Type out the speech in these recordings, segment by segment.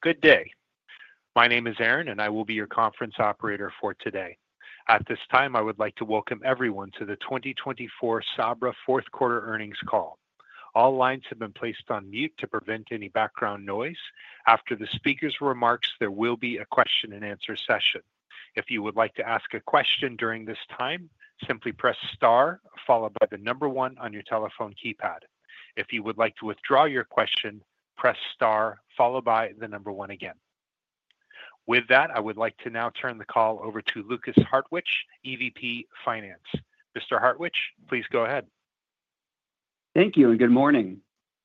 Good day. My name is Aaron, and I will be your conference operator for today. At this time, I would like to welcome everyone to the 2024 Sabra Fourth Quarter Earnings Call. All lines have been placed on mute to prevent any background noise. After the speaker's remarks, there will be a question-and-answer session. If you would like to ask a question during this time, simply press star followed by the number one on your telephone keypad. If you would like to withdraw your question, press star followed by the number one again. With that, I would like to now turn the call over to Lukas Hartwich, EVP Finance. Mr. Hartwich, please go ahead. Thank you, and good morning.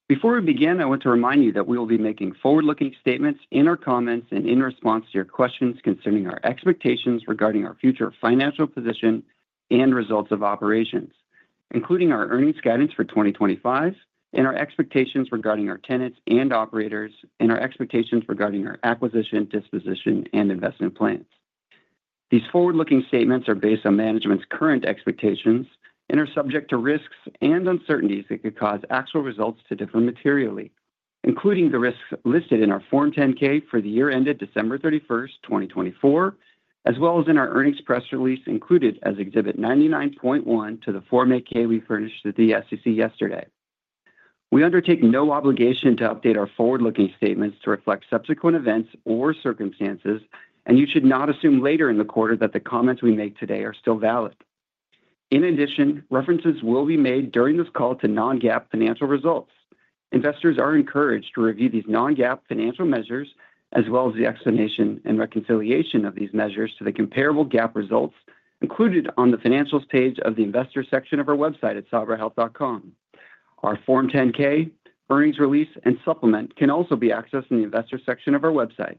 Before we begin, I want to remind you that we will be making forward-looking statements in our comments and in response to your questions concerning our expectations regarding our future financial position and results of operations, including our earnings guidance for 2025 and our expectations regarding our tenants and operators and our expectations regarding our acquisition, disposition, and investment plans. These forward-looking statements are based on management's current expectations and are subject to risks and uncertainties that could cause actual results to differ materially, including the risks listed in our Form 10-K for the year ended December 31, 2024, as well as in our earnings press release included as Exhibit 99.1 to the Form 8-K we furnished to the SEC yesterday. We undertake no obligation to update our forward-looking statements to reflect subsequent events or circumstances, and you should not assume later in the quarter that the comments we make today are still valid. In addition, references will be made during this call to non-GAAP financial results. Investors are encouraged to review these non-GAAP financial measures as well as the explanation and reconciliation of these measures to the comparable GAAP results included on the financials page of the investor section of our website at sabrahealth.com. Our Form 10-K earnings release and supplement can also be accessed in the investor section of our website.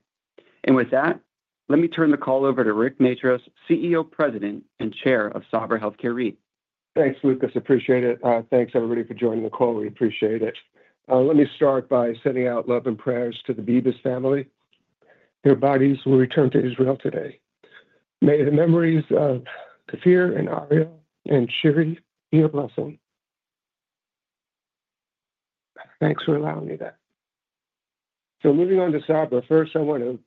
And with that, let me turn the call over to Rick Matros, CEO, President, and Chair of Sabra Health Care REIT. Thanks, Lukas. Appreciate it. Thanks, everybody, for joining the call. We appreciate it. Let me start by sending out love and prayers to the Bibas family. Their bodies will return to Israel today. May the memories of Kfir and Ariel and Shiri be a blessing. Thanks for allowing me that. So moving on to Sabra, first, I want to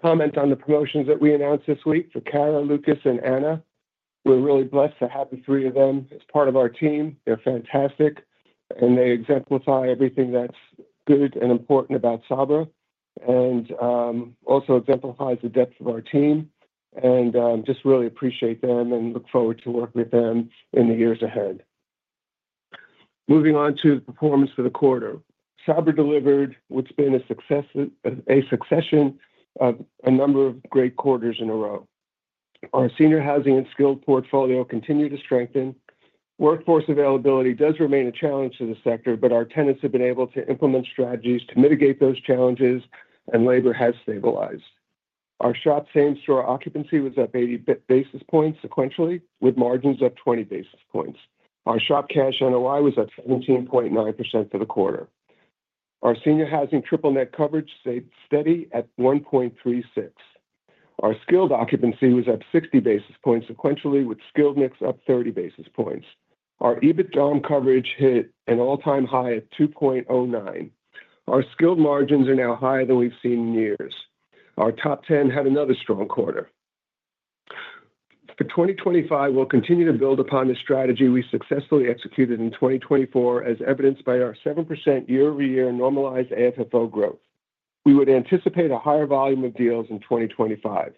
comment on the promotions that we announced this week for Kara, Lukas, and Anna. We're really blessed to have the three of them as part of our team. They're fantastic, and they exemplify everything that's good and important about Sabra and also exemplify the depth of our team. And just really appreciate them and look forward to working with them in the years ahead. Moving on to the performance for the quarter, Sabra delivered what's been a succession of a number of great quarters in a row. Our senior housing and skilled portfolio continued to strengthen. Workforce availability does remain a challenge to the sector, but our tenants have been able to implement strategies to mitigate those challenges, and labor has stabilized. Our SHOP same-store occupancy was up 80 basis points sequentially, with margins up 20 basis points. Our SHOP cash NOI was up 17.9% for the quarter. Our senior housing triple-net coverage stayed steady at 1.36. Our skilled occupancy was up 60 basis points sequentially, with skilled mix up 30 basis points. Our EBITDA coverage hit an all-time high at 2.09. Our skilled margins are now higher than we've seen in years. Our top 10 had another strong quarter. For 2025, we'll continue to build upon the strategy we successfully executed in 2024, as evidenced by our 7% year-over-year normalized AFFO growth. We would anticipate a higher volume of deals in 2025.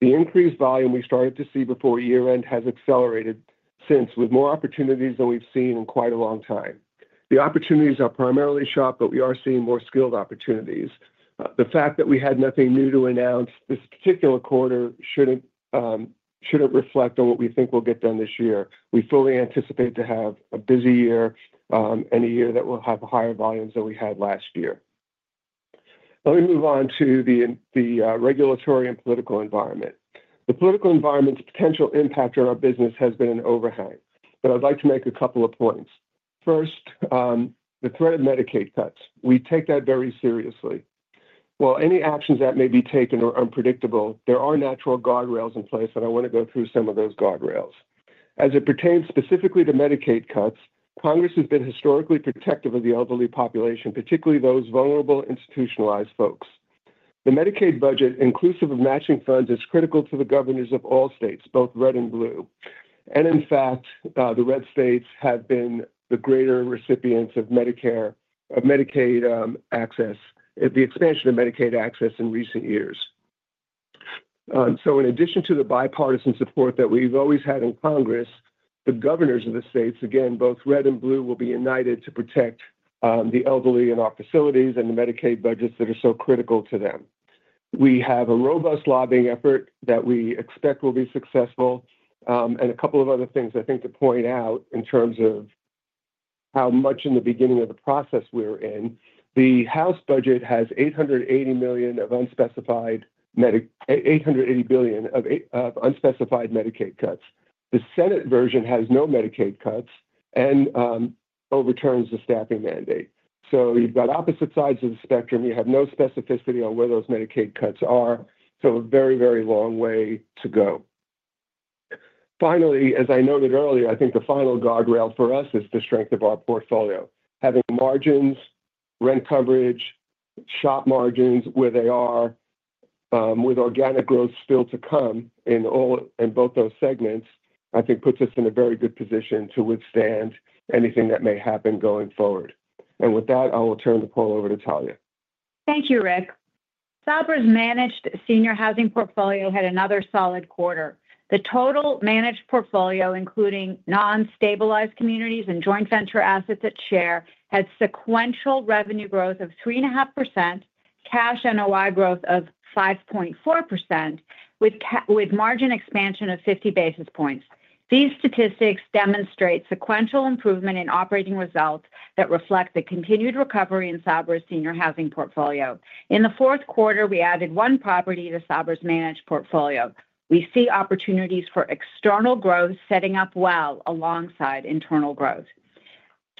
The increased volume we started to see before year-end has accelerated since, with more opportunities than we've seen in quite a long time. The opportunities are primarily SHOP, but we are seeing more skilled opportunities. The fact that we had nothing new to announce this particular quarter shouldn't reflect on what we think will get done this year. We fully anticipate to have a busy year and a year that will have higher volumes than we had last year. Let me move on to the regulatory and political environment. The political environment's potential impact on our business has been an overhang, but I'd like to make a couple of points. First, the threat of Medicaid cuts. We take that very seriously. While any actions that may be taken are unpredictable, there are natural guardrails in place, and I want to go through some of those guardrails. As it pertains specifically to Medicaid cuts, Congress has been historically protective of the elderly population, particularly those vulnerable institutionalized folks. The Medicaid budget, inclusive of matching funds, is critical to the governors of all states, both red and blue, and in fact, the red states have been the greater recipients of Medicaid access, the expansion of Medicaid access in recent years, so in addition to the bipartisan support that we've always had in Congress, the governors of the states, again, both red and blue, will be united to protect the elderly in our facilities and the Medicaid budgets that are so critical to them. We have a robust lobbying effort that we expect will be successful, and a couple of other things I think to point out in terms of how much in the beginning of the process we're in. The House budget has $880 billion of unspecified Medicaid, $880 billion of unspecified Medicaid cuts. The Senate version has no Medicaid cuts and overturns the staffing mandate. So you've got opposite sides of the spectrum. You have no specificity on where those Medicaid cuts are. So a very, very long way to go. Finally, as I noted earlier, I think the final guardrail for us is the strength of our portfolio. Having margins, rent coverage, SHOP margins where they are, with organic growth still to come in both those segments, I think puts us in a very good position to withstand anything that may happen going forward. And with that, I will turn the call over to Talya. Thank you, Rick. Sabra's managed senior housing portfolio had another solid quarter. The total managed portfolio, including non-stabilized communities and joint venture assets at share, had sequential revenue growth of 3.5%, cash NOI growth of 5.4%, with margin expansion of 50 basis points. These statistics demonstrate sequential improvement in operating results that reflect the continued recovery in Sabra's senior housing portfolio. In the fourth quarter, we added one property to Sabra's managed portfolio. We see opportunities for external growth setting up well alongside internal growth.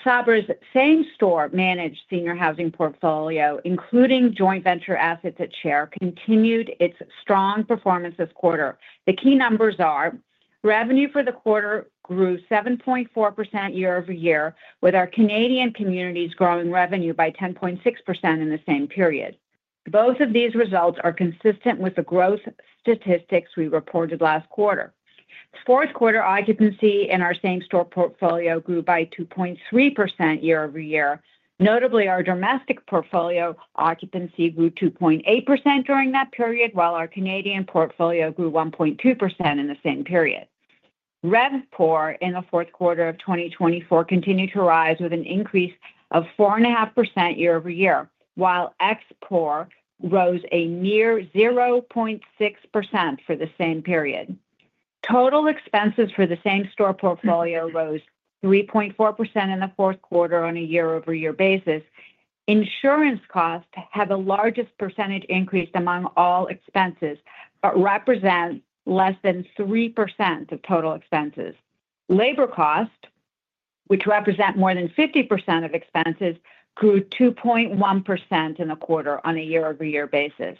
Sabra's same-store managed senior housing portfolio, including joint venture assets at share, continued its strong performance this quarter. The key numbers are revenue for the quarter grew 7.4% year-over-year, with our Canadian communities growing revenue by 10.6% in the same period. Both of these results are consistent with the growth statistics we reported last quarter. Fourth quarter occupancy in our same-store portfolio grew by 2.3% year-over-year. Notably, our domestic portfolio occupancy grew 2.8% during that period, while our Canadian portfolio grew 1.2% in the same period. RevPOR in the fourth quarter of 2024 continued to rise with an increase of 4.5% year-over-year, while ExPOR rose a mere 0.6% for the same period. Total expenses for the same-store portfolio rose 3.4% in the fourth quarter on a year-over-year basis. Insurance costs have the largest percentage increase among all expenses, but represent less than 3% of total expenses. Labor costs, which represent more than 50% of expenses, grew 2.1% in the quarter on a year-over-year basis.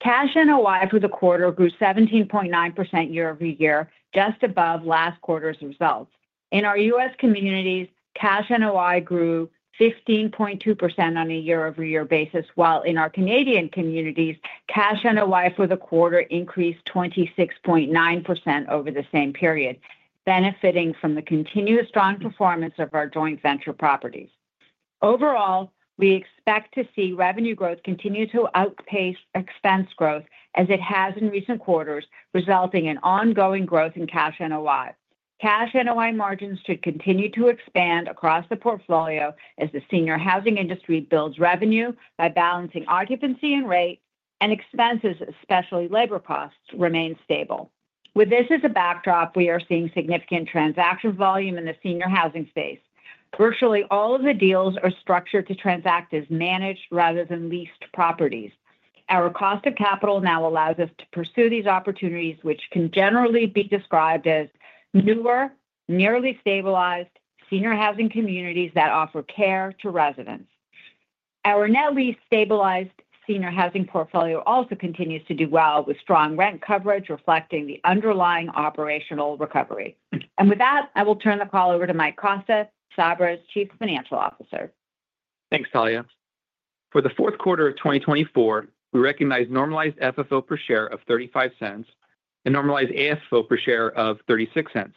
Cash NOI for the quarter grew 17.9% year-over-year, just above last quarter's results. In our U.S communities, cash NOI grew 15.2% on a year-over-year basis, while in our Canadian communities, cash NOI for the quarter increased 26.9% over the same period, benefiting from the continuous strong performance of our joint venture properties. Overall, we expect to see revenue growth continue to outpace expense growth, as it has in recent quarters, resulting in ongoing growth in cash NOI. Cash NOI margins should continue to expand across the portfolio as the senior housing industry builds revenue by balancing occupancy and rate, and expenses, especially labor costs, remain stable. With this as a backdrop, we are seeing significant transaction volume in the senior housing space. Virtually all of the deals are structured to transact as managed rather than leased properties. Our cost of capital now allows us to pursue these opportunities, which can generally be described as newer, nearly stabilized senior housing communities that offer care to residents. Our net-lease stabilized senior housing portfolio also continues to do well with strong rent coverage, reflecting the underlying operational recovery. And with that, I will turn the call over to Mike Costa, Sabra's Chief Financial Officer. Thanks, Talya. For the fourth quarter of 2024, we recognized normalized FFO per share of $0.35 and normalized AFFO per share of $0.36.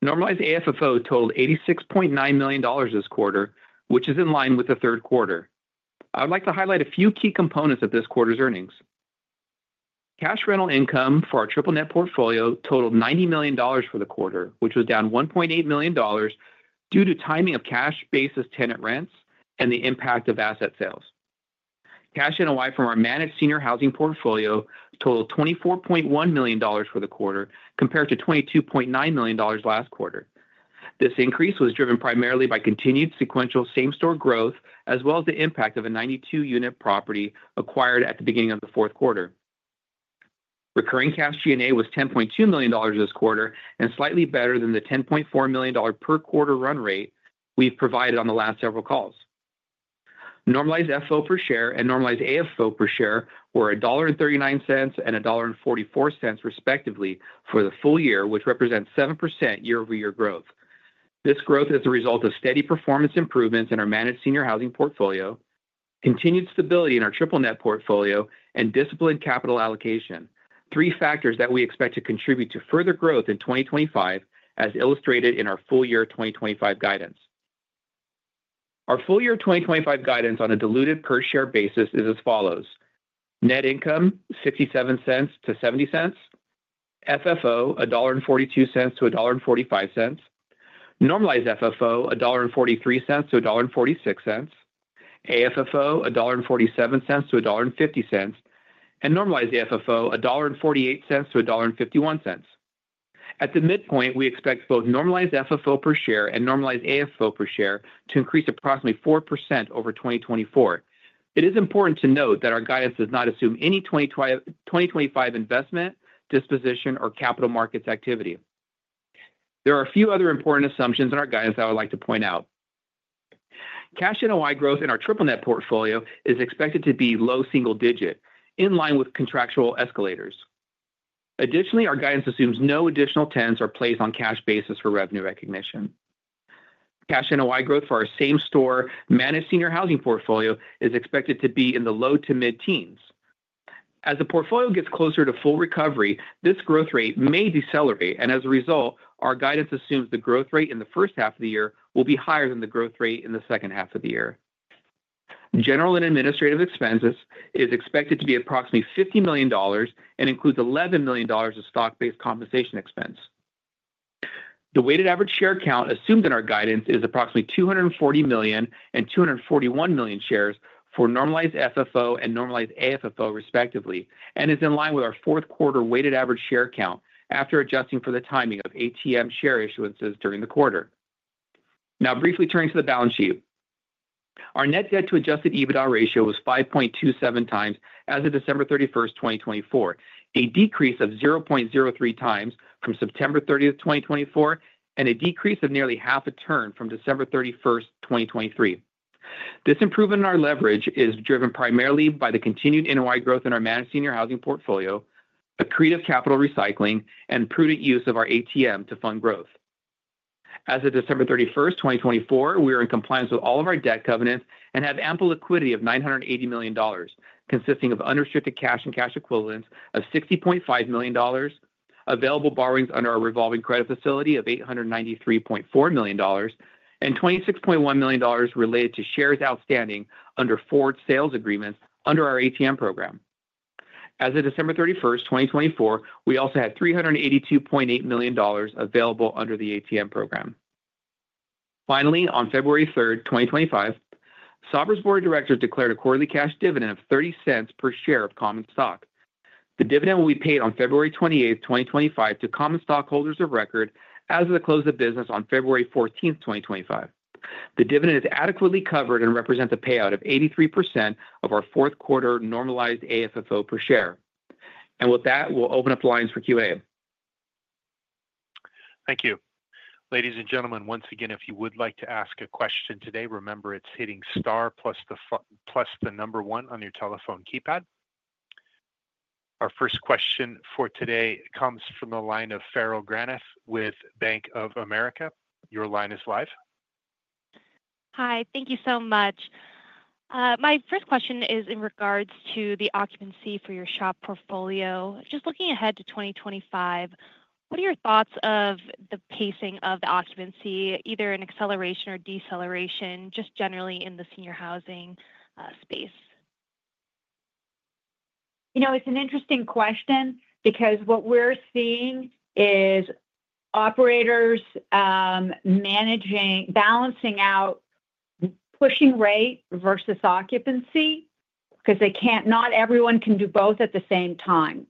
Normalized AFFO totaled $86.9 million this quarter, which is in line with the third quarter. I would like to highlight a few key components of this quarter's earnings. Cash rental income for our triple-net portfolio totaled $90 million for the quarter, which was down $1.8 million due to timing of cash-basis tenant rents and the impact of asset sales. Cash NOI from our managed senior housing portfolio totaled $24.1 million for the quarter, compared to $22.9 million last quarter. This increase was driven primarily by continued sequential same-store growth, as well as the impact of a 92-unit property acquired at the beginning of the fourth quarter. Recurring cash G&A was $10.2 million this quarter and slightly better than the $10.4 million per quarter run rate we've provided on the last several calls. Normalized FFO per share and normalized AFFO per share were $1.39 and $1.44 respectively for the full year, which represents 7% year-over-year growth. This growth is the result of steady performance improvements in our managed senior housing portfolio, continued stability in our triple-net portfolio, and disciplined capital allocation, three factors that we expect to contribute to further growth in 2025, as illustrated in our full-year 2025 guidance. Our full-year 2025 guidance on a diluted per-share basis is as follows: Net income $0.67-$0.70, FFO $1.42-$1.45, normalized FFO $1.43-$1.46, AFFO $1.47-$1.50, and normalized AFFO $1.48-$1.51. At the midpoint, we expect both normalized FFO per share and normalized AFFO per share to increase approximately 4% over 2024. It is important to note that our guidance does not assume any 2025 investment, disposition, or capital markets activity. There are a few other important assumptions in our guidance that I would like to point out. Cash NOI growth in our triple-net portfolio is expected to be low single-digit, in line with contractual escalators. Additionally, our guidance assumes no additional leases are placed on cash basis for revenue recognition. Cash NOI growth for our same-store managed senior housing portfolio is expected to be in the low to mid-teens. As the portfolio gets closer to full recovery, this growth rate may decelerate, and as a result, our guidance assumes the growth rate in the first half of the year will be higher than the growth rate in the second half of the year. General and administrative expenses is expected to be approximately $50 million and includes $11 million of stock-based compensation expense. The weighted average share count assumed in our guidance is approximately 240 million and 241 million shares for normalized FFO and normalized AFFO, respectively, and is in line with our fourth quarter weighted average share count after adjusting for the timing of ATM share issuances during the quarter. Now, briefly turning to the balance sheet, our net debt-to-adjusted EBITDA ratio was 5.27 times as of December 31, 2024, a decrease of 0.03 times from September 30, 2024, and a decrease of nearly half a turn from December 31, 2023. This improvement in our leverage is driven primarily by the continued NOI growth in our managed senior housing portfolio, accretive capital recycling, and prudent use of our ATM to fund growth. As of December 31, 2024, we are in compliance with all of our debt covenants and have ample liquidity of $980 million, consisting of unrestricted cash and cash equivalents of $60.5 million, available borrowings under our revolving credit facility of $893.4 million, and $26.1 million related to shares outstanding under forward sales agreements under our ATM program. As of December 31, 2024, we also had $382.8 million available under the ATM program. Finally, on February 3, 2025, Sabra's board of directors declared a quarterly cash dividend of $0.30 per share of common stock. The dividend will be paid on February 28, 2025, to common stockholders of record as of the close of business on February 14, 2025. The dividend is adequately covered and represents a payout of 83% of our fourth quarter normalized AFFO per share. With that, we'll open up the lines for Q&A. Thank you. Ladies and gentlemen, once again, if you would like to ask a question today, remember it's hitting star plus the number one on your telephone keypad. Our first question for today comes from the line of Farrell Granath with Bank of America. Your line is live. Hi. Thank you so much. My first question is in regards to the occupancy for your SHOP portfolio. Just looking ahead to 2025, what are your thoughts of the pacing of the occupancy, either in acceleration or deceleration, just generally in the senior housing space? You know, it's an interesting question because what we're seeing is operators balancing out pushing rate versus occupancy because they can't, not everyone can do both at the same time.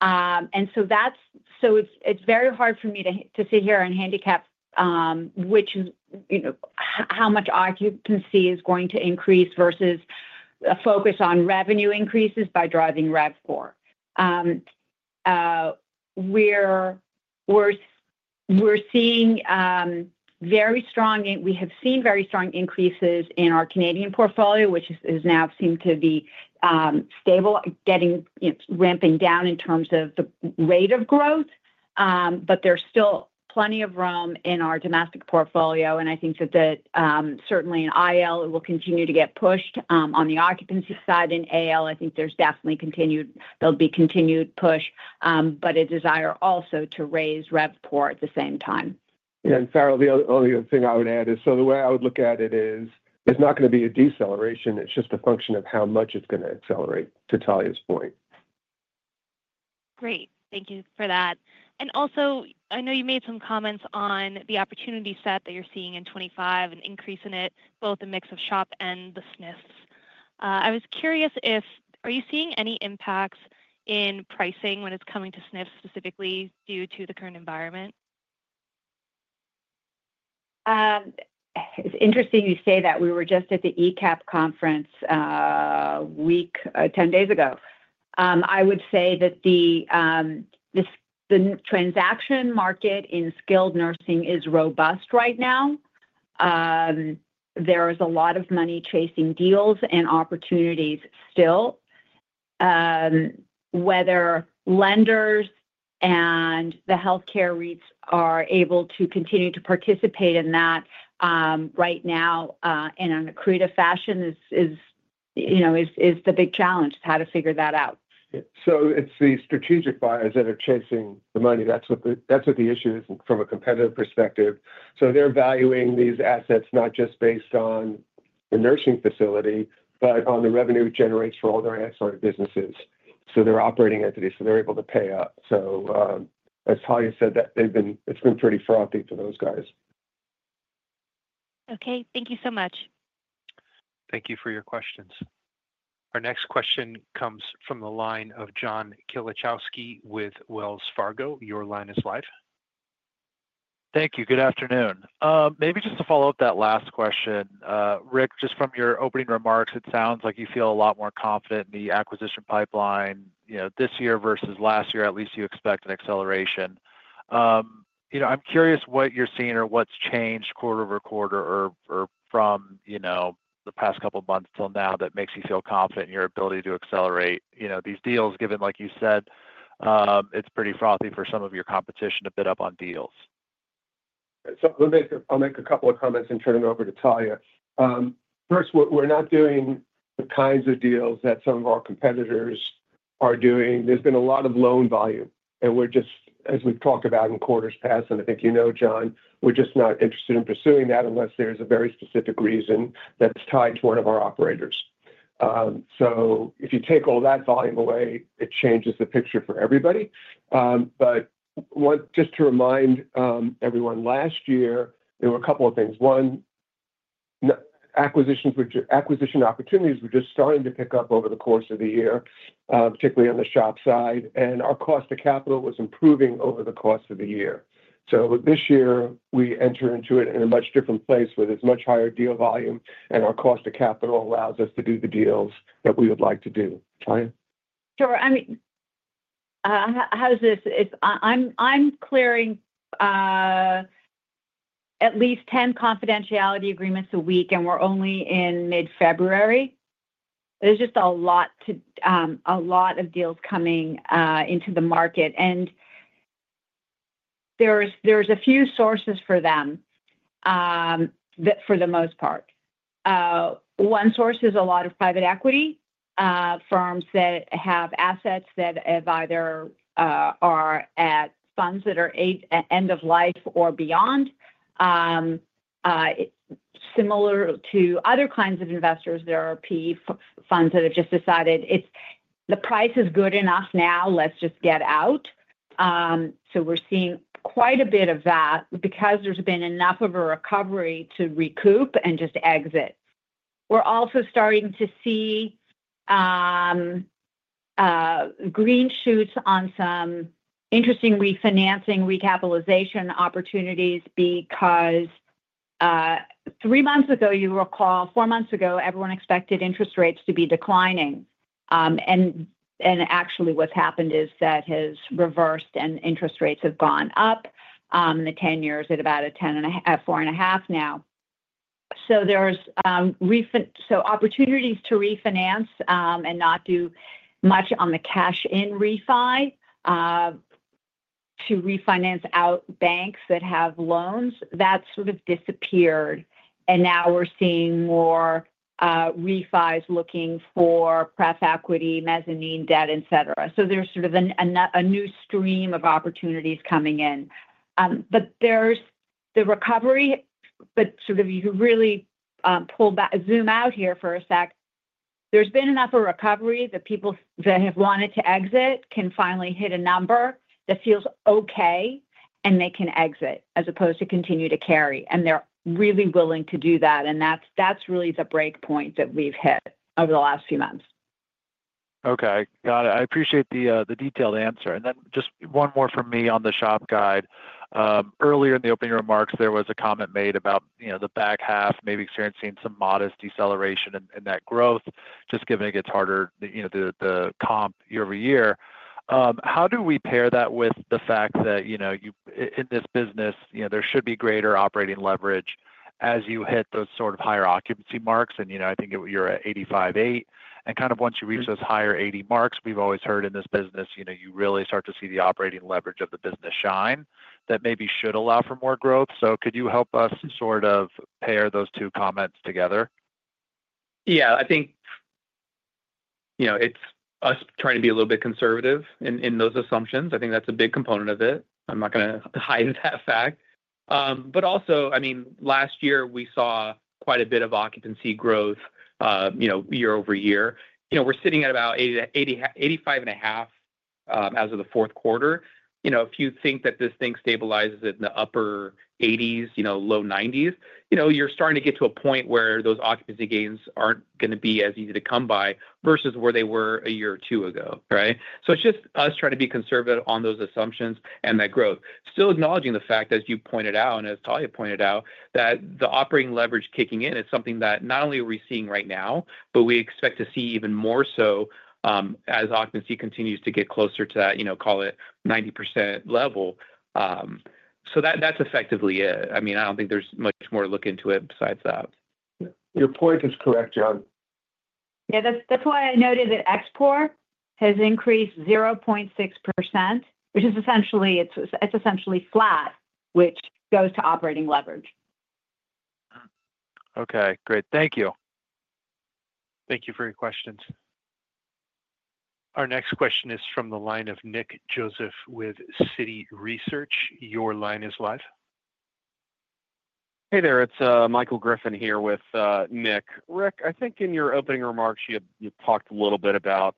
And so that's so it's very hard for me to sit here and handicap which is how much occupancy is going to increase versus a focus on revenue increases by driving RevPOR. We have seen very strong increases in our Canadian portfolio, which has now seemed to be stable, ramping down in terms of the rate of growth. But there's still plenty of room in our domestic portfolio. And I think that certainly in IL, it will continue to get pushed. On the occupancy side in AL, I think there's definitely continued, there'll be continued push, but a desire also to raise RevPOR at the same time. Yeah. And Farrell, the only other thing I would add is, so the way I would look at it is there's not going to be a deceleration. It's just a function of how much it's going to accelerate, to Talya's point. Great. Thank you for that. And also, I know you made some comments on the opportunity set that you're seeing in 2025 and increase in it, both the mix of SHOP and the SNF's. I was curious. Are you seeing any impacts in pricing when it comes to SNFs specifically due to the current environment? It's interesting you say that. We were just at the eCap conference a week, 10 days ago. I would say that the transaction market in skilled nursing is robust right now. There is a lot of money chasing deals and opportunities still. Whether lenders and the healthcare REITs are able to continue to participate in that right now in an accretive fashion is the big challenge, how to figure that out. So it's the strategic buyers that are chasing the money. That's what the issue is from a competitive perspective. So they're valuing these assets not just based on the nursing facility, but on the revenue it generates for all their ancillary businesses. So they're operating entities, so they're able to pay up. So as Talya said, it's been pretty frothy for those guys. Okay. Thank you so much. Thank you for your questions. Our next question comes from the line of John Kilichowski with Wells Fargo. Your line is live. Thank you. Good afternoon. Maybe just to follow up that last question, Rick, just from your opening remarks, it sounds like you feel a lot more confident in the acquisition pipeline this year versus last year. At least you expect an acceleration. I'm curious what you're seeing or what's changed quarter over quarter or from the past couple of months till now that makes you feel confident in your ability to accelerate these deals, given, like you said, it's pretty frothy for some of your competition to bid up on deals. So I'll make a couple of comments and turn it over to Talya. First, we're not doing the kinds of deals that some of our competitors are doing. There's been a lot of loan volume. And we're just, as we've talked about in quarters past, and I think you know, John, we're just not interested in pursuing that unless there's a very specific reason that's tied to one of our operators. So if you take all that volume away, it changes the picture for everybody. But just to remind everyone, last year, there were a couple of things. One, acquisition opportunities were just starting to pick up over the course of the year, particularly on the SHOP side. And our cost of capital was improving over the course of the year. So this year, we enter into it in a much different place with as much higher deal volume, and our cost of capital allows us to do the deals that we would like to do. Talya? Sure. I mean, how's this? I'm clearing at least 10 confidentiality agreements a week, and we're only in mid-February. There's just a lot of deals coming into the market, and there's a few sources for them, for the most part. One source is a lot of private equity firms that have assets that either are at funds that are end of life or beyond. Similar to other kinds of investors, there are PE funds that have just decided the price is good enough now, let's just get out. So we're seeing quite a bit of that because there's been enough of a recovery to recoup and just exit. We're also starting to see green shoots on some interesting refinancing, recapitalization opportunities because three months ago, you recall, four months ago, everyone expected interest rates to be declining. Actually, what's happened is that has reversed, and interest rates have gone up. The 10-year is at about a 4.5 now. Opportunities to refinance and not do much on the cash-in refi to refinance out banks that have loans, that sort of disappeared. Now we're seeing more refis looking for pref equity, mezzanine debt, etc. There's sort of a new stream of opportunities coming in. The recovery, but sort of you can really zoom out here for a sec. There's been enough of a recovery that people that have wanted to exit can finally hit a number that feels okay, and they can exit as opposed to continue to carry. They're really willing to do that. That's really the breakpoint that we've hit over the last few months. Okay. Got it. I appreciate the detailed answer. And then just one more from me on the SHOP guide. Earlier in the opening remarks, there was a comment made about the back half maybe experiencing some modest deceleration in that growth, just given it gets harder, the comp year over year. How do we pair that with the fact that in this business, there should be greater operating leverage as you hit those sort of higher occupancy marks? And I think you're at 85.8. And kind of once you reach those higher 80 marks, we've always heard in this business, you really start to see the operating leverage of the business shine that maybe should allow for more growth. So could you help us sort of pair those two comments together? Yeah. I think it's us trying to be a little bit conservative in those assumptions. I think that's a big component of it. I'm not going to hide that fact. But also, I mean, last year, we saw quite a bit of occupancy growth year over year. We're sitting at about 85.5 as of the fourth quarter. If you think that this thing stabilizes in the upper 80s, low 90s, you're starting to get to a point where those occupancy gains aren't going to be as easy to come by versus where they were a year or two ago, right? So it's just us trying to be conservative on those assumptions and that growth. Still acknowledging the fact, as you pointed out, and as Talya pointed out, that the operating leverage kicking in is something that not only are we seeing right now, but we expect to see even more so as occupancy continues to get closer to that, call it, 90% level. So that's effectively it. I mean, I don't think there's much more to look into it besides that. Your point is correct, John. Yeah. That's why I noted that ExPOR has increased 0.6%, which is essentially flat, which goes to operating leverage. Okay. Great. Thank you. Thank you for your questions. Our next question is from the line of Nick Joseph with Citi Research. Your line is live. Hey there. It's Michael Griffin here with Nick. Rick, I think in your opening remarks, you talked a little bit about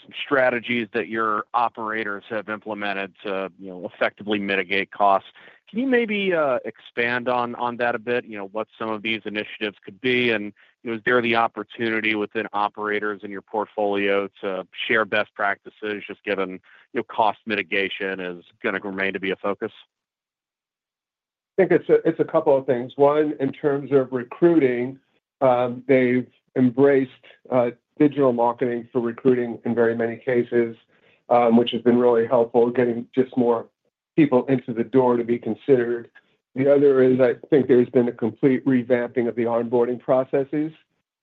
some strategies that your operators have implemented to effectively mitigate costs. Can you maybe expand on that a bit, what some of these initiatives could be? And is there the opportunity within operators in your portfolio to share best practices, just given cost mitigation is going to remain to be a focus? I think it's a couple of things. One, in terms of recruiting, they've embraced digital marketing for recruiting in very many cases, which has been really helpful, getting just more people into the door to be considered. The other is I think there's been a complete revamping of the onboarding processes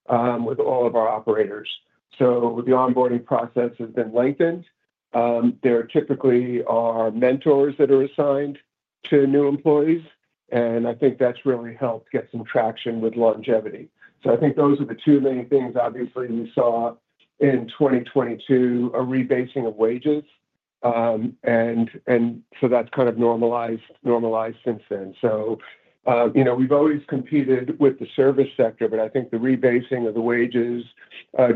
with all of our operators. So the onboarding process has been lengthened. There typically are mentors that are assigned to new employees. And I think that's really helped get some traction with longevity. So I think those are the two main things. Obviously, we saw in 2022 a rebasing of wages. And so that's kind of normalized since then. So we've always competed with the service sector, but I think the rebasing of the wages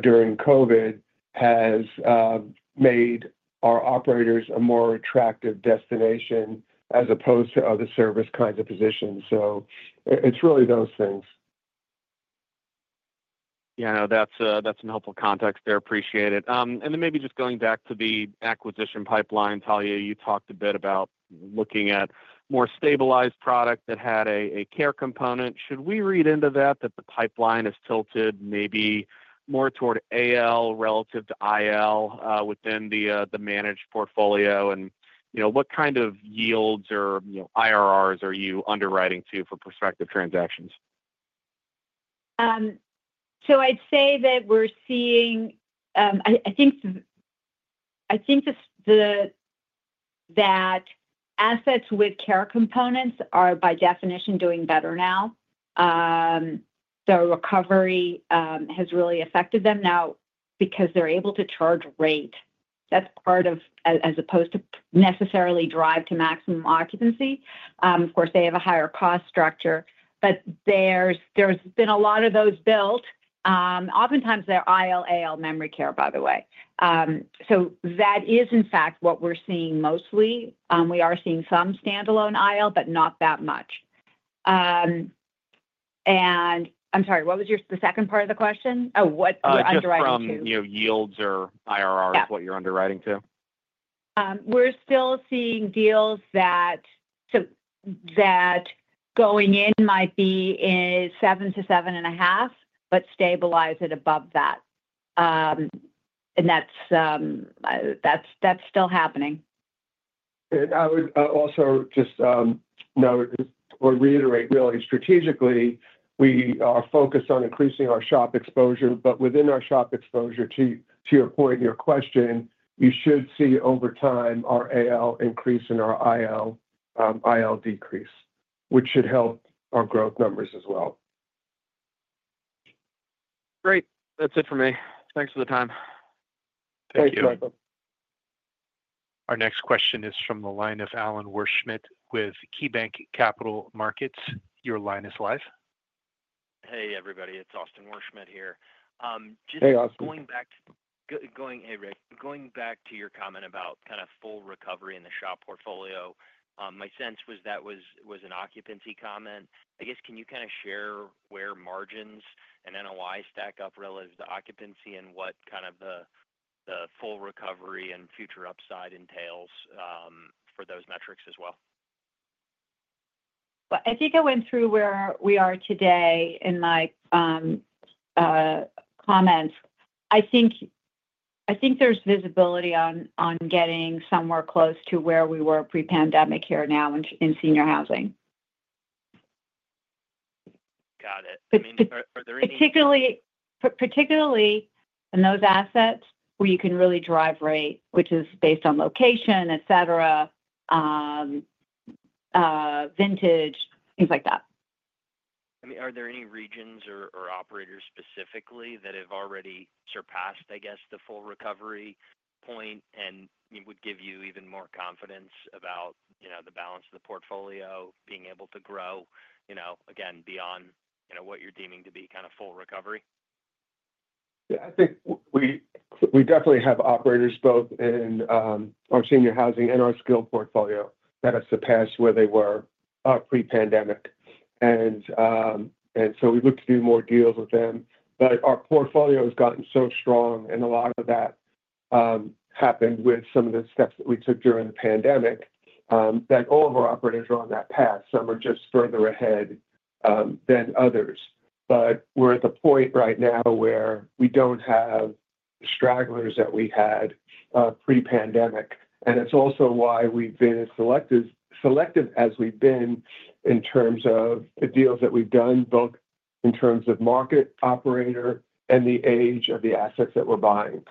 during COVID has made our operators a more attractive destination as opposed to other service kinds of positions. So it's really those things. Yeah. No, that's some helpful context there. Appreciate it. And then maybe just going back to the acquisition pipeline, Talya, you talked a bit about looking at more stabilized product that had a care component. Should we read into that that the pipeline is tilted maybe more toward AL relative to IL within the managed portfolio? And what kind of yields or IRRs are you underwriting to for prospective transactions? So I'd say that we're seeing, I think, that assets with care components are by definition doing better now. The recovery has really affected them now because they're able to charge rate. That's part of as opposed to necessarily drive to maximum occupancy. Of course, they have a higher cost structure. But there's been a lot of those built. Oftentimes, they're IL, AL memory care, by the way. So that is, in fact, what we're seeing mostly. We are seeing some standalone IL, but not that much. And I'm sorry, what was the second part of the question? Oh, what are you underwriting to? Oh, yields or IRR is what you're underwriting to? We're still seeing deals that, going in, might be 7-7.5, but stabilize it above that. That's still happening. I would also just note or reiterate, really, strategically, we are focused on increasing our SHOP exposure. Within our SHOP exposure, to your point, your question, you should see over time our AL increase and our IL decrease, which should help our growth numbers as well. Great. That's it for me. Thanks for the time. Thank you. Thanks, Michael. Our next question is from the line of Austin Wurschmidt with KeyBanc Capital Markets. Your line is live. Hey, everybody. It's Austin Wurschmidt here. Hey, Austin. Hey, Rick. Going back to your comment about kind of full recovery in the SHOP portfolio, my sense was that was an occupancy comment. I guess, can you kind of share where margins and NOI stack up relative to occupancy and what kind of the full recovery and future upside entails for those metrics as well? I think I went through where we are today in my comments. I think there's visibility on getting somewhere close to where we were pre-pandemic here now in senior housing. Got it. I mean, are there any? Particularly. And those assets where you can really drive rate, which is based on location, etc., vintage, things like that. I mean, are there any regions or operators specifically that have already surpassed, I guess, the full recovery point and would give you even more confidence about the balance of the portfolio, being able to grow, again, beyond what you're deeming to be kind of full recovery? Yeah. I think we definitely have operators both in our senior housing and our skilled portfolio that have surpassed where they were pre-pandemic. And so we look to do more deals with them. But our portfolio has gotten so strong, and a lot of that happened with some of the steps that we took during the pandemic that all of our operators are on that path. Some are just further ahead than others. But we're at the point right now where we don't have the stragglers that we had pre-pandemic. And it's also why we've been as selective as we've been in terms of the deals that we've done, both in terms of market, operator, and the age of the assets that we're buying.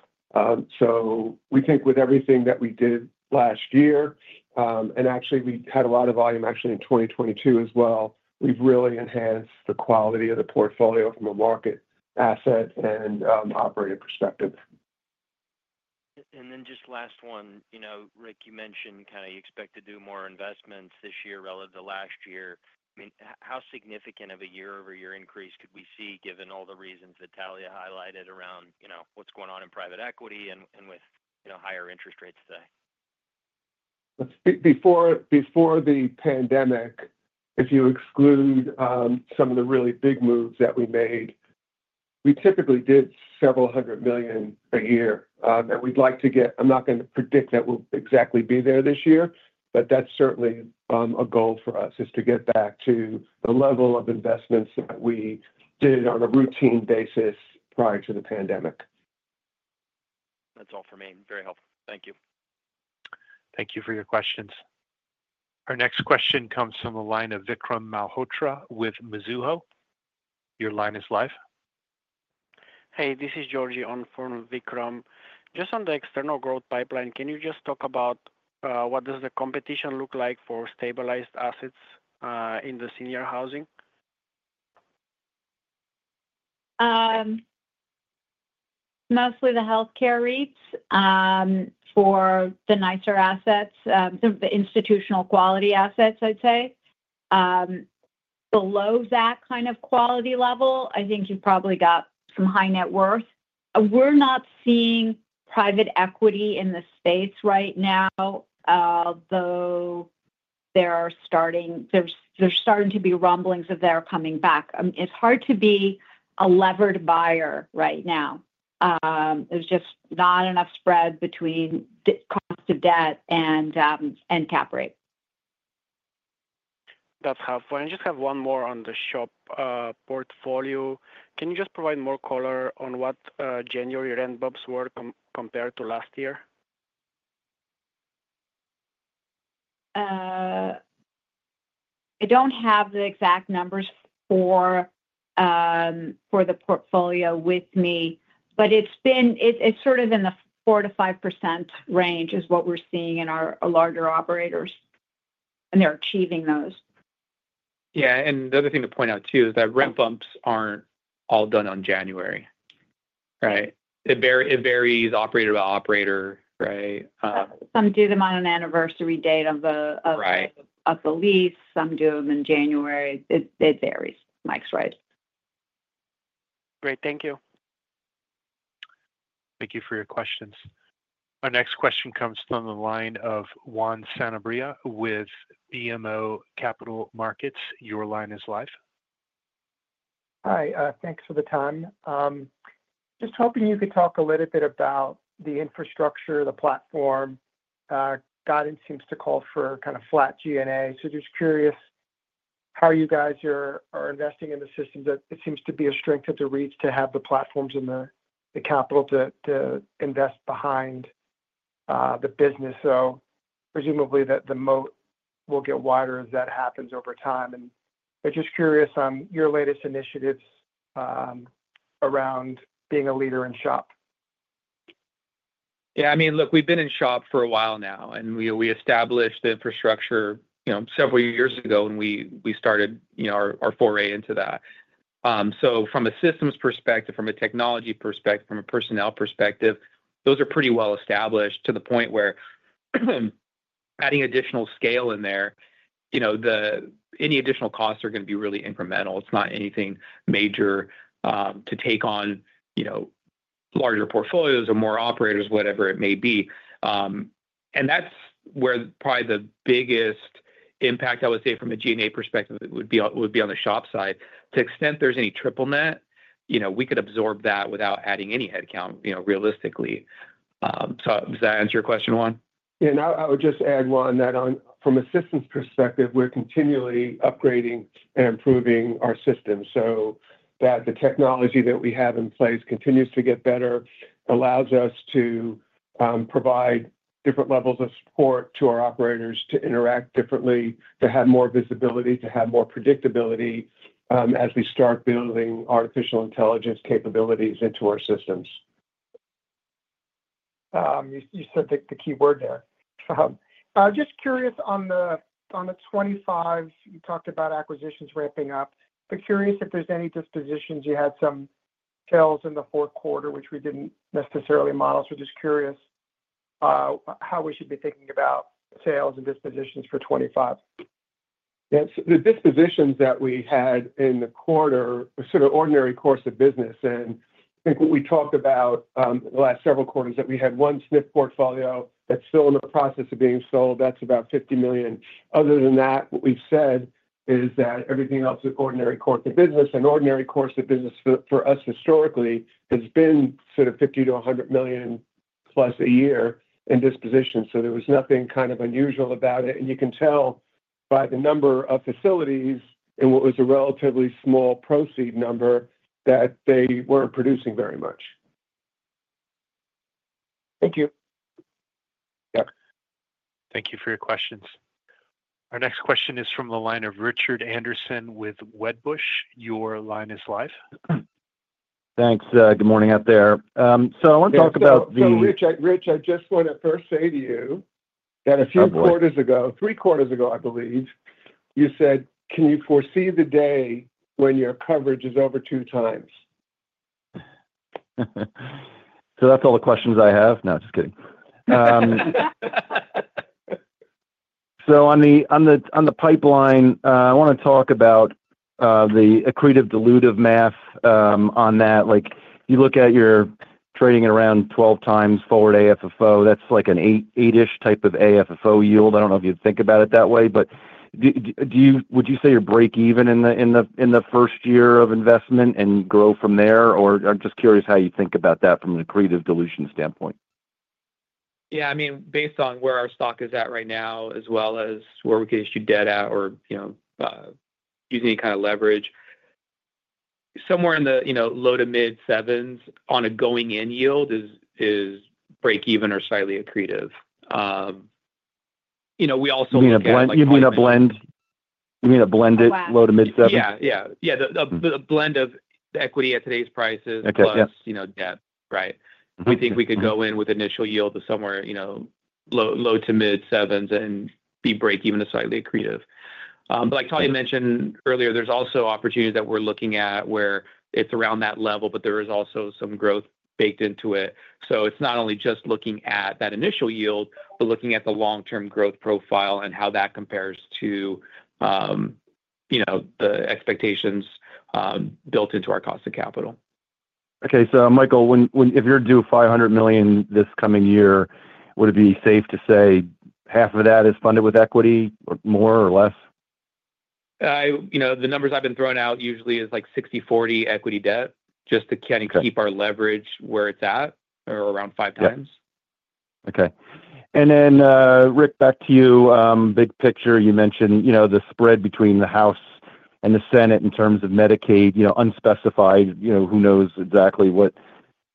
So we think with everything that we did last year, and actually, we had a lot of volume actually in 2022 as well, we've really enhanced the quality of the portfolio from a market asset and operator perspective. And then just last one, Rick, you mentioned kind of you expect to do more investments this year relative to last year. I mean, how significant of a year-over-year increase could we see given all the reasons that Talya highlighted around what's going on in private equity and with higher interest rates today? Before the pandemic, if you exclude some of the really big moves that we made, we typically did several hundred million a year, and we'd like to get. I'm not going to predict that we'll exactly be there this year, but that's certainly a goal for us, to get back to the level of investments that we did on a routine basis prior to the pandemic. That's all for me. Very helpful. Thank you. Thank you for your questions. Our next question comes from the line of Vikram Malhotra with Mizuho. Your line is live. Hey, this is Georgi on the phone with Vikram. Just on the external growth pipeline, can you just talk about what does the competition look like for stabilized assets in the senior housing? Mostly the healthcare REITs for the nicer assets, the institutional quality assets, I'd say. Below that kind of quality level, I think you've probably got some high net worth. We're not seeing private equity in the space right now, although there are starting to be rumblings of their coming back. It's hard to be a levered buyer right now. There's just not enough spread between cost of debt and cap rate. That's helpful. And I just have one more on the SHOP portfolio. Can you just provide more color on what January rent bumps were compared to last year? I don't have the exact numbers for the portfolio with me, but it's sort of in the 4%-5% range is what we're seeing in our larger operators, and they're achieving those. Yeah, and the other thing to point out too is that rent bumps aren't all done on January, right? It varies operator by operator, right? Some do them on an anniversary date of the lease. Some do them in January. It varies. Mike's right. Great. Thank you. Thank you for your questions. Our next question comes from the line of Juan Sanabria with BMO Capital Markets. Your line is live. Hi. Thanks for the time. Just hoping you could talk a little bit about the infrastructure, the platform. Guidance seems to call for kind of flat G&A. So just curious how you guys are investing in the systems. It seems to be a strength of the REITs to have the platforms and the capital to invest behind the business. So presumably, the moat will get wider as that happens over time. And I'm just curious on your latest initiatives around being a leader in SHOP. Yeah. I mean, look, we've been in SHOP for a while now. And we established the infrastructure several years ago when we started our foray into that. So from a systems perspective, from a technology perspective, from a personnel perspective, those are pretty well established to the point where adding additional scale in there, any additional costs are going to be really incremental. It's not anything major to take on larger portfolios or more operators, whatever it may be. And that's where probably the biggest impact, I would say, from a G&A perspective, would be on the SHOP side. To the extent there's any triple net, we could absorb that without adding any headcount realistically. So does that answer your question, Juan? Yeah. And I would just add, Juan, that from a systems perspective, we're continually upgrading and improving our systems. So the technology that we have in place continues to get better, allows us to provide different levels of support to our operators, to interact differently, to have more visibility, to have more predictability as we start building artificial intelligence capabilities into our systems. You said the key word there. Just curious on the 2025, you talked about acquisitions ramping up. But curious if there's any dispositions. You had some sales in the fourth quarter, which we didn't necessarily model. So just curious how we should be thinking about sales and dispositions for 2025. Yeah. So the dispositions that we had in the quarter were sort of ordinary course of business. And I think what we talked about the last several quarters is that we had one SNF portfolio that's still in the process of being sold. That's about $50 million. Other than that, what we've said is that everything else is ordinary course of business. And ordinary course of business for us historically has been sort of $50-$100 million plus a year in disposition. So there was nothing kind of unusual about it. And you can tell by the number of facilities and what was a relatively small proceeds number that they weren't producing very much. Thank you. Yeah. Thank you for your questions. Our next question is from the line of Richard Anderson with Wedbush. Your line is live. Thanks. Good morning out there. So I want to talk about the. Thanks, Richard. Rick, I just want to first say to you that a few quarters ago, three quarters ago, I believe, you said, "Can you foresee the day when your coverage is over two times? So that's all the questions I have. No, just kidding. So on the pipeline, I want to talk about the accretive-dilutive math on that. You look at your trading at around 12 times forward AFFO. That's like an 8-ish type of AFFO yield. I don't know if you'd think about it that way. But would you say you're break-even in the first year of investment and grow from there? Or I'm just curious how you think about that from an accretive-dilution standpoint. Yeah. I mean, based on where our stock is at right now, as well as where we could issue debt out or use any kind of leverage, somewhere in the low- to mid-7s on a going-in yield is break-even or slightly accretive. We also look at. You mean a blend? You mean a blended low to mid 7? Yeah. Yeah. Yeah. A blend of equity at today's prices plus debt. Right? We think we could go in with initial yield of somewhere low to mid 7s and be break-even or slightly accretive. But like Talya mentioned earlier, there's also opportunities that we're looking at where it's around that level, but there is also some growth baked into it. So it's not only just looking at that initial yield, but looking at the long-term growth profile and how that compares to the expectations built into our cost of capital. Okay. So Michael, if you're due $500 million this coming year, would it be safe to say $250 million of that is funded with equity or more or less? The numbers I've been throwing out usually is like 60/40 equity debt just to kind of keep our leverage where it's at or around five times. Okay. And then, Rick, back to you. Big picture, you mentioned the spread between the House and the Senate in terms of Medicaid, unspecified. Who knows exactly what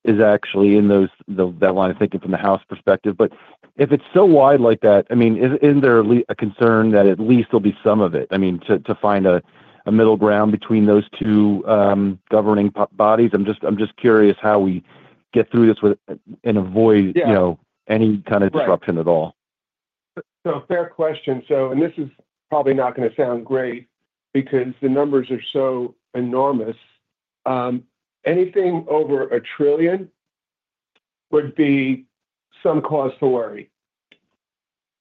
is actually in that line of thinking from the House perspective. But if it's so wide like that, I mean, isn't there at least a concern that at least there'll be some of it? I mean, to find a middle ground between those two governing bodies. I'm just curious how we get through this and avoid any kind of disruption at all. So a fair question. And this is probably not going to sound great because the numbers are so enormous. Anything over a trillion would be some cause to worry.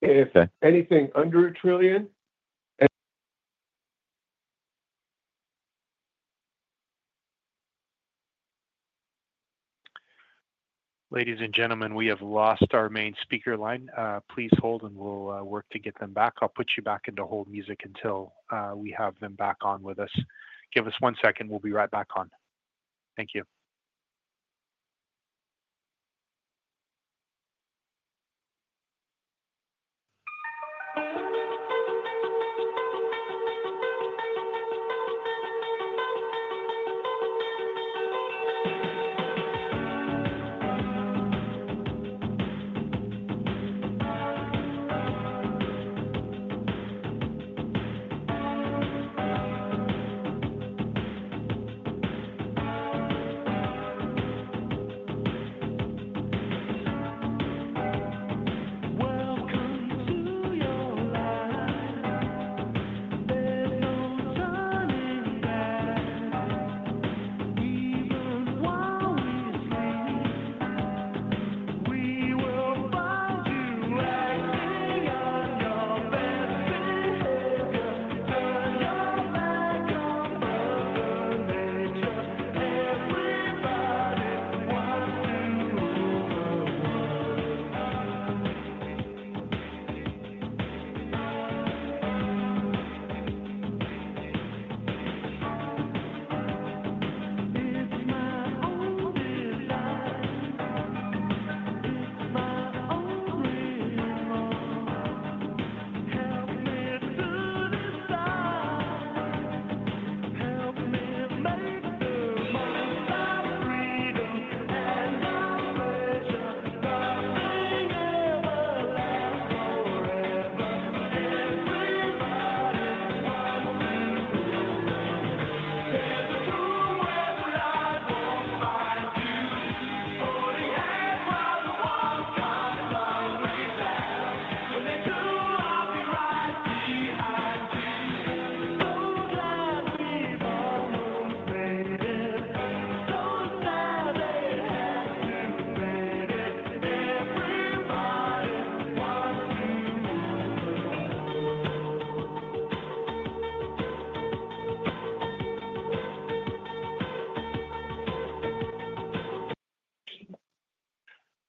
If anything under a trillion. Ladies and gentlemen, we have lost our main speaker line. Please hold, and we'll work to get them back. I'll put you back into hold music until we have them back on with us. Give us one second. We'll be right back on. Thank you.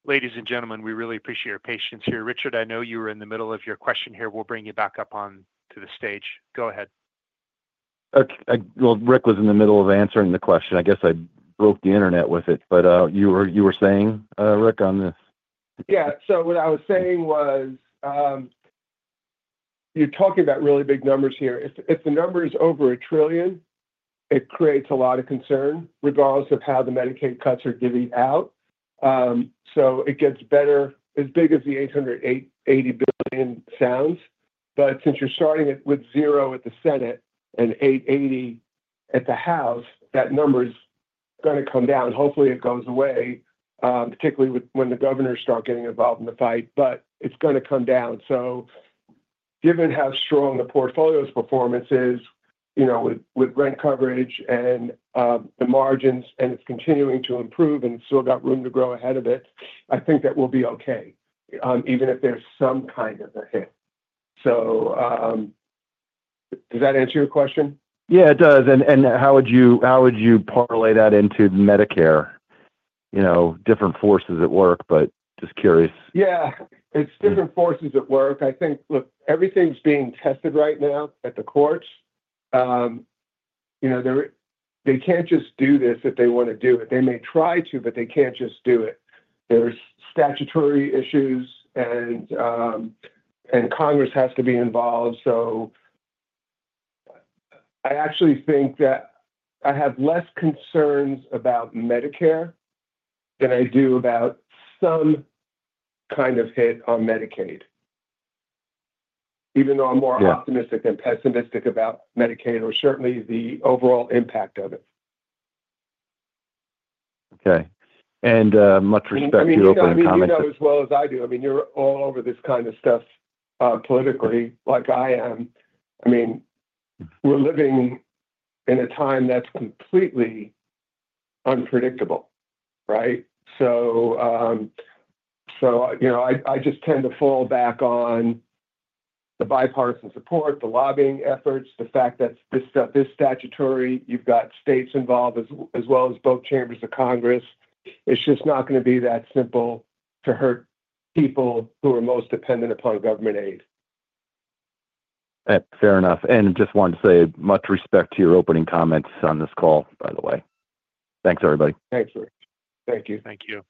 Ladies and gentlemen, we really appreciate your patience here. Richard, I know you were in the middle of your question here. We'll bring you back up onto the stage. Go ahead. Rick was in the middle of answering the question. I guess I broke the internet with it. You were saying, Rick, on this. Yeah. So what I was saying was you're talking about really big numbers here. If the number is over $1 trillion, it creates a lot of concern regardless of how the Medicaid cuts are divvied out. So it gets better as big as the $880 billion sounds. But since you're starting it with $0 at the Senate and $880 billion at the House, that number is going to come down. Hopefully, it goes away, particularly when the governors start getting involved in the fight. But it's going to come down. So given how strong the portfolio's performance is with rent coverage and the margins, and it's continuing to improve and it's still got room to grow ahead of it, I think that we'll be okay, even if there's some kind of a hit. So does that answer your question? Yeah, it does. And how would you parlay that into Medicare? Different forces at work, but just curious. Yeah. It's different forces at work. I think, look, everything's being tested right now at the courts. They can't just do this if they want to do it. They may try to, but they can't just do it. There's statutory issues, and Congress has to be involved. So I actually think that I have less concerns about Medicare than I do about some kind of hit on Medicaid, even though I'm more optimistic than pessimistic about Medicaid or certainly the overall impact of it. Okay, and much respect to your open comments. I mean, you know as well as I do. I mean, you're all over this kind of stuff politically like I am. I mean, we're living in a time that's completely unpredictable, right? So I just tend to fall back on the bipartisan support, the lobbying efforts, the fact that this stuff is statutory, you've got states involved as well as both chambers of Congress. It's just not going to be that simple to hurt people who are most dependent upon government aid. Fair enough. And just wanted to say much respect to your opening comments on this call, by the way. Thanks, everybody. Thanks, Rich. Thank you. Thank you.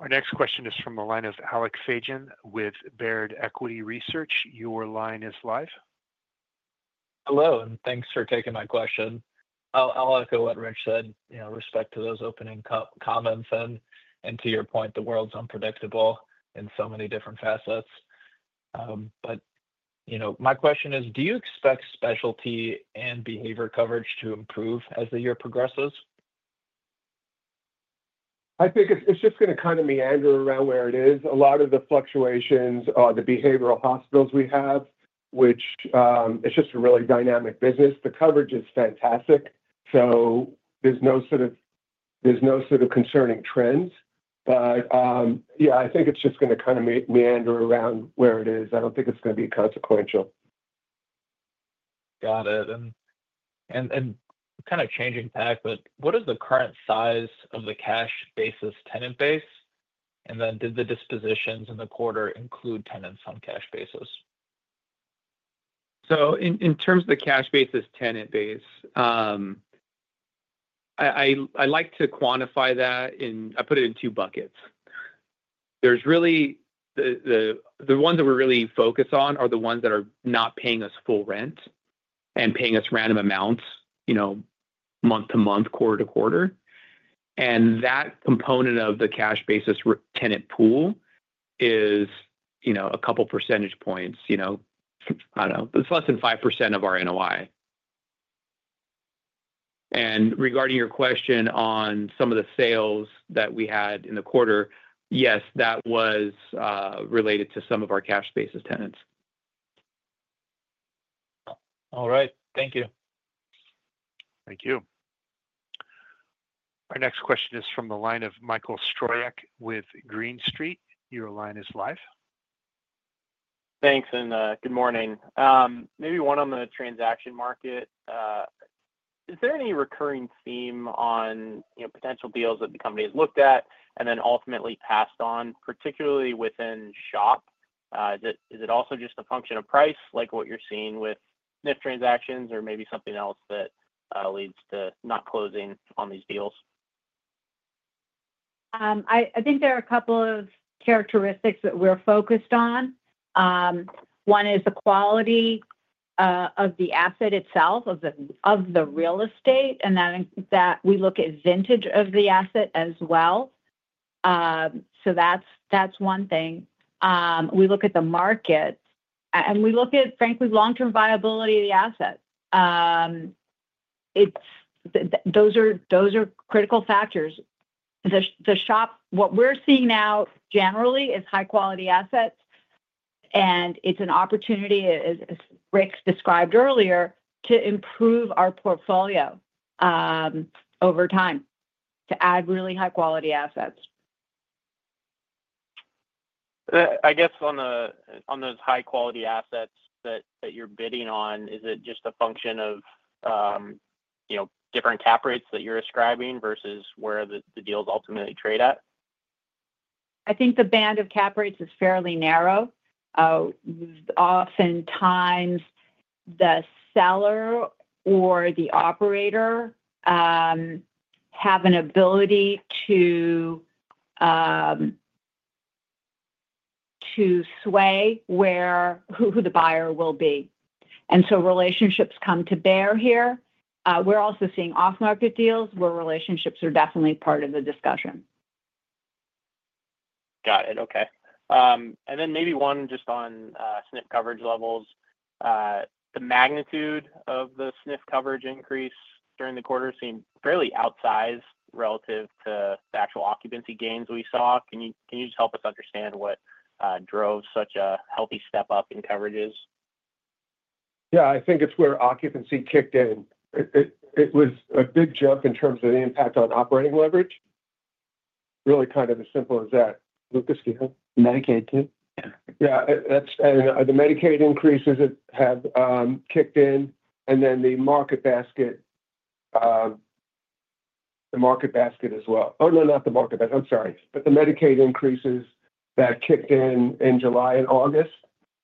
Our next question is from the line of Alec Feygin with Baird Equity Research. Your line is live. Hello, and thanks for taking my question. I'll echo what Rick said with respect to those opening comments. And to your point, the world's unpredictable in so many different facets. But my question is, do you expect specialty and behavioral coverage to improve as the year progresses? I think it's just going to kind of meander around where it is. A lot of the fluctuations are the behavioral hospitals we have, which it's just a really dynamic business. The coverage is fantastic. So there's no sort of concerning trends. But yeah, I think it's just going to kind of meander around where it is. I don't think it's going to be consequential. Got it. And kind of changing tack, but what is the current size of the cash basis tenant base? And then did the dispositions in the quarter include tenants on cash basis? So, in terms of the cash basis tenant base, I like to quantify that. I put it in two buckets. The ones that we really focus on are the ones that are not paying us full rent and paying us random amounts month to month, quarter to quarter. And that component of the cash basis tenant pool is a couple of percentage points. I don't know. It's less than 5% of our NOI. And regarding your question on some of the sales that we had in the quarter, yes, that was related to some of our cash basis tenants. All right. Thank you. Thank you. Our next question is from the line of Michael Stroyeck with Green Street. Your line is live. Thanks. And good morning. Maybe one on the transaction market. Is there any recurring theme on potential deals that the company has looked at and then ultimately passed on, particularly within SHOP? Is it also just a function of price, like what you're seeing with SNF transactions, or maybe something else that leads to not closing on these deals? I think there are a couple of characteristics that we're focused on. One is the quality of the asset itself, of the real estate. And then we look at vintage of the asset as well. So that's one thing. We look at the market. And we look at, frankly, long-term viability of the asset. Those are critical factors. What we're seeing now generally is high-quality assets. And it's an opportunity, as Rick described earlier, to improve our portfolio over time to add really high-quality assets. I guess on those high-quality assets that you're bidding on, is it just a function of different cap rates that you're ascribing versus where the deals ultimately trade at? I think the band of cap rates is fairly narrow. Oftentimes, the seller or the operator have an ability to sway who the buyer will be. And so relationships come to bear here. We're also seeing off-market deals where relationships are definitely part of the discussion. Got it. Okay. And then maybe one just on SNF coverage levels. The magnitude of the SNF coverage increase during the quarter seemed fairly outsized relative to the actual occupancy gains we saw. Can you just help us understand what drove such a healthy step up in coverages? Yeah. I think it's where occupancy kicked in. It was a big jump in terms of the impact on operating leverage. Really kind of as simple as that. Lucas, do you have? `Medicaid, too. Yeah. And the Medicaid increases have kicked in. And then the market basket, the market basket as well. Oh, no, not the market basket. I'm sorry. But the Medicaid increases that kicked in in July and August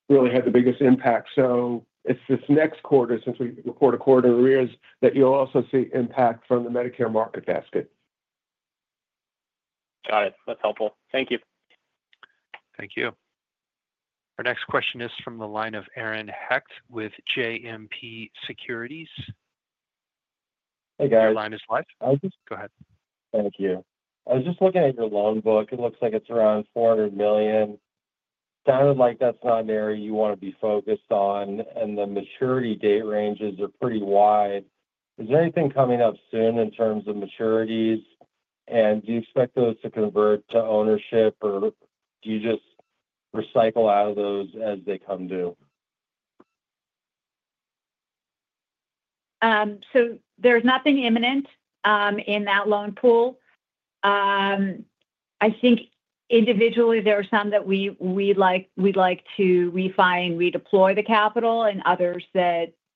really had the biggest impact. So it's this next quarter, since we report a quarter in areas, that you'll also see impact from the Medicare market basket. Got it. That's helpful. Thank you. Thank you. Our next question is from the line of Aaron Hecht with JMP Securities. Hey, guys. Your line is live. Go ahead. Thank you. I was just looking at your loan book. It looks like it's around $400 million. Sounded like that's not an area you want to be focused on. And the maturity date ranges are pretty wide. Is there anything coming up soon in terms of maturities? And do you expect those to convert to ownership, or do you just recycle out of those as they come due? So there's nothing imminent in that loan pool. I think individually, there are some that we'd like to refine and redeploy the capital and others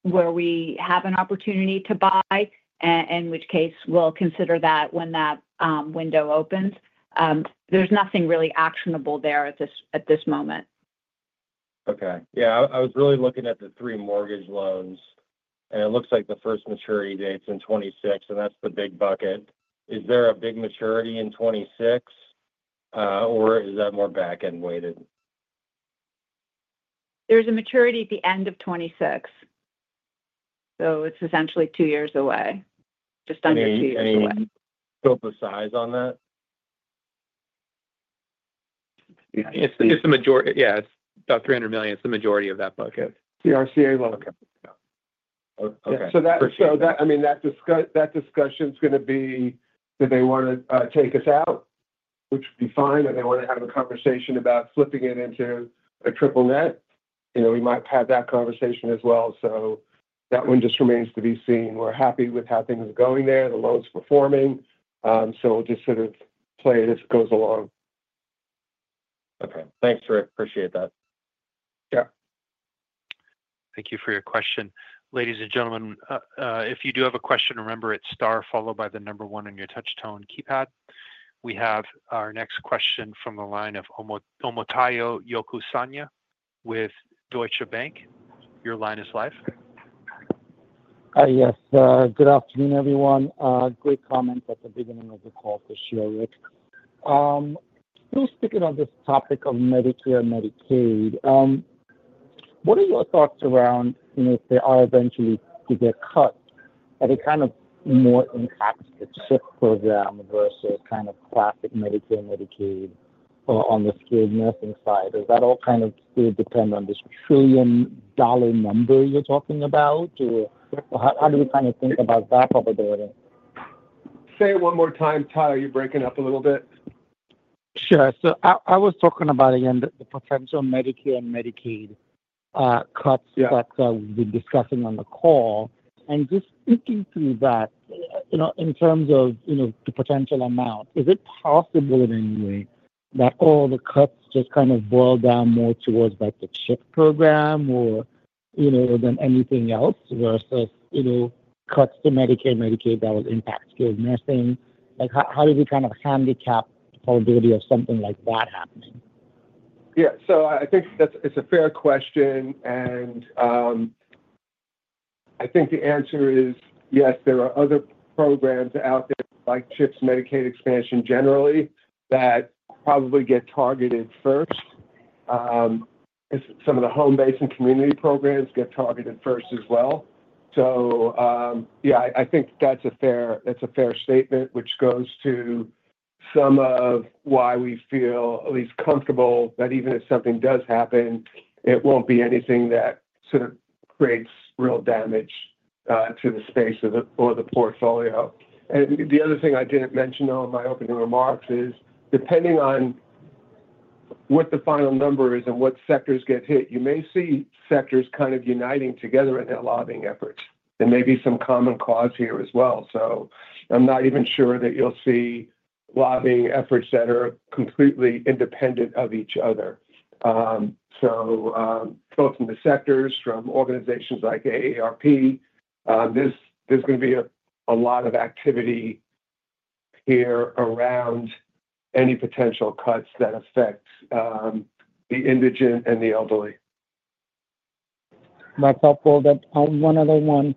where we have an opportunity to buy, in which case we'll consider that when that window opens. There's nothing really actionable there at this moment. Okay. Yeah. I was really looking at the three mortgage loans, and it looks like the first maturity date's in 2026, and that's the big bucket. Is there a big maturity in 2026, or is that more back-end weighted? There's a maturity at the end of 2026. So it's essentially two years away, just under two years away. Do you have any scope of size on that? Yeah. It's the majority. Yeah. It's about $300 million. It's the majority of that bucket. The RCA loan. Okay. Okay. So I mean, that discussion's going to be that they want to take us out, which would be fine. Or they want to have a conversation about flipping it into a triple net. We might have that conversation as well. So that one just remains to be seen. We're happy with how things are going there, the loans performing. So we'll just sort of play it as it goes along. Okay. Thanks, Rick. Appreciate that. Yeah. Thank you for your question. Ladies and gentlemen, if you do have a question, remember it's star followed by the number one on your touch-tone keypad. We have our next question from the line of Omotayo Okusanya with Deutsche Bank. Your line is live. Hi, yes. Good afternoon, everyone. Great comment at the beginning of the call for sure, Rick. Still sticking on this topic of Medicare and Medicaid, what are your thoughts around if they are eventually to get cut? Are they kind of more impacted to CHIP program versus kind of classic Medicare and Medicaid on the skilled nursing side? Does that all kind of still depend on this trillion-dollar number you're talking about? Or how do we kind of think about that probability? Say it one more time. Omotayo, you're breaking up a little bit. Sure. So I was talking about, again, the potential Medicare and Medicaid cuts that we've been discussing on the call. And just thinking through that in terms of the potential amount, is it possible in any way that all the cuts just kind of boil down more towards the CHIP program or to anything else versus cuts to Medicare and Medicaid that will impact skilled nursing? How do we kind of handicap the probability of something like that happening? Yeah. So I think it's a fair question. And I think the answer is yes, there are other programs out there like CHIP, Medicaid expansion generally that probably get targeted first. Some of the home-based and community programs get targeted first as well. So yeah, I think that's a fair statement, which goes to some of why we feel at least comfortable that even if something does happen, it won't be anything that sort of creates real damage to the space or the portfolio. And the other thing I didn't mention, though, in my opening remarks is depending on what the final number is and what sectors get hit, you may see sectors kind of uniting together in their lobbying efforts. There may be some common cause here as well. So I'm not even sure that you'll see lobbying efforts that are completely independent of each other. So both from the sectors, from organizations like AARP, there's going to be a lot of activity here around any potential cuts that affect the indigent and the elderly. That's helpful. One other one.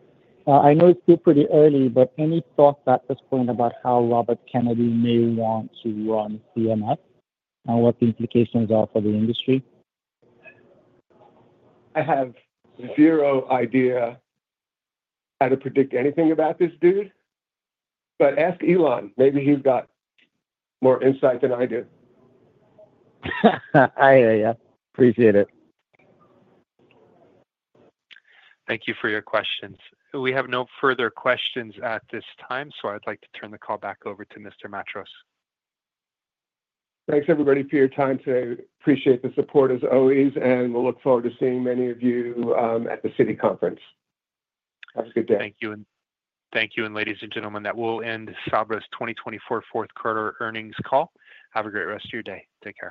I know it's still pretty early, but any thoughts at this point about how Robert Kennedy may want to run CMS and what the implications are for the industry? I have zero idea how to predict anything about this dude. But ask Elon. Maybe he's got more insight than I do. I appreciate it. Thank you for your questions. We have no further questions at this time, so I'd like to turn the call back over to Mr. Matros. Thanks, everybody, for your time today. Appreciate the support as always, and we'll look forward to seeing many of you at the Citi conference. Have a good day. Thank you. And ladies and gentlemen, that will end Sabra's 2024 Fourth Quarter earnings call. Have a great rest of your day. Take care.